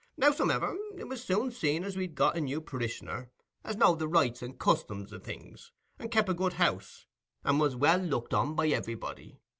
Howsomever, it was soon seen as we'd got a new parish'ner as know'd the rights and customs o' things, and kep a good house, and was well looked on by everybody.